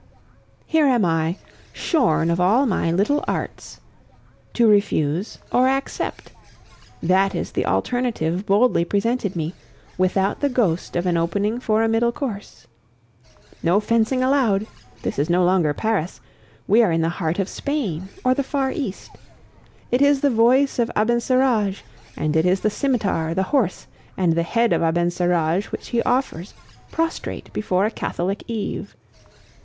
Here am I, shorn of all my little arts! To refuse or accept! That is the alternative boldly presented me, without the ghost of an opening for a middle course. No fencing allowed! This is no longer Paris; we are in the heart of Spain or the far East. It is the voice of Abencerrage, and it is the scimitar, the horse, and the head of Abencerrage which he offers, prostrate before a Catholic Eve!